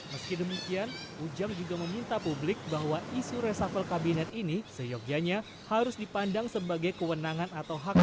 meski demikian ujang juga meminta publik bahwa isu resafel kabinet ini seyogianya harus dipandang sebagai kewenangan atau hak